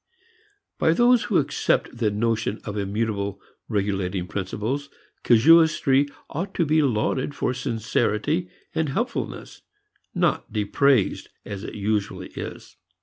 By those who accept the notion of immutable regulating principles, casuistry ought to be lauded for sincerity and helpfulness, not dispraised as it usually is.